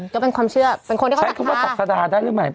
ใช้คำว่าศาสดาได้หรือไม่